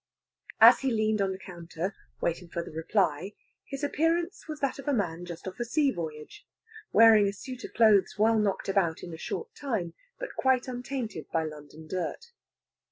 As he leaned on the counter, waiting for the reply, his appearance was that of a man just off a sea voyage, wearing a suit of clothes well knocked about in a short time, but quite untainted by London dirt.